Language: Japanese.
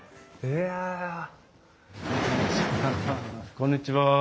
こんにちは。